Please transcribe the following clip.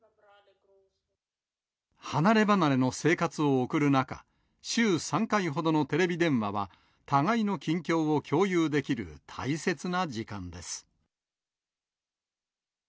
離れ離れの生活を送る中、週３回ほどのテレビ電話は、互いの近況を共有できる大切な時間です。